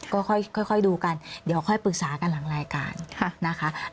ก็ค่อยดูกันเดี๋ยวค่อยปรึกษากันหลังรายการนะคะ